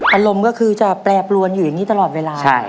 อารมณ์ก็คือจะแปรบล้วนอยู่อย่างนี้ตลอดเวลานะครับใช่